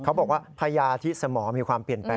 เขาบอกว่าพญาที่สมองมีความเปลี่ยนแปลง